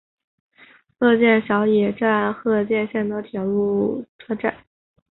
鹤见小野站鹤见线的铁路车站。